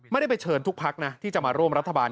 ไม่ได้ไปเชิญทุกภาคนะที่จะมาร่วม